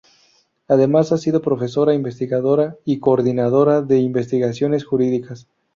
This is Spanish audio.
Además, ha sido Profesora-Investigadora y Coordinadora de Investigaciones Jurídicas.